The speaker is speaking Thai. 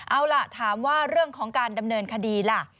เอาล่ะถามว่าเรื่องของการดำเนินคดีล่ะ